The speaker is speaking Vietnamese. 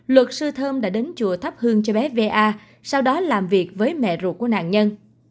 luật sư thơm đã đến chùa thắp hương cho bé va sau đó làm việc với mẹ ruột của nạn nhân